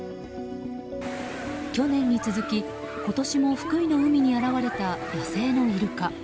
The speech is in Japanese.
去年に続き、今年も福井の海に現れた野生のイルカ。